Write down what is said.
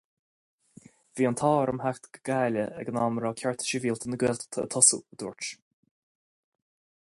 Bhí an t-ádh orm teacht go Gaillimh ag an am a raibh Cearta Sibhialta na Gaeltachta ag tosú, a dúirt.